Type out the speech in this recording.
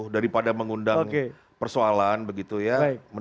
daripada mengundang persoalan begitu ya